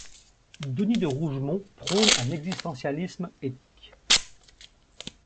Denis de Rougemont prône un existentialisme éthique.